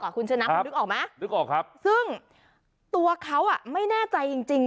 แต่คุณชะนักคุณรู้ออกไหมซึ่งตัวเขาไม่แน่ใจจริง